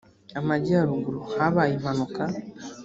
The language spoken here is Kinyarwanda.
amajyaruguru habaye impanuka